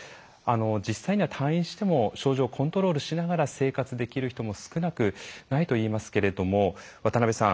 実際には退院しても症状をコントロールしながら生活できる人も少なくないといいますけれども渡邉さん